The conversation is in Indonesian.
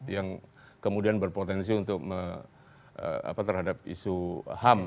yang kemudian berpotensi untuk terhadap isu ham